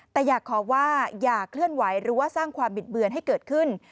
แต่อยากขอว่าอย่าเคลื่อนไหวหรือว่าสร้างความบิดเบือนให้เกิดขึ้น